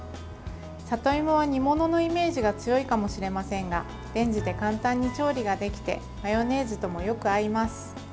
里芋は煮物のイメージが強いかもしれませんがレンジで簡単に調理ができてマヨネーズともよく合います。